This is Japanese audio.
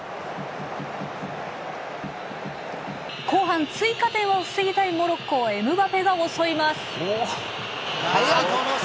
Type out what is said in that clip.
後半追加点を防ぎたいモロッコをエムバペが襲います。